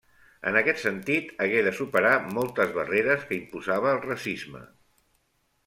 En aquest sentit hagué de superar moltes barreres que imposava el racisme.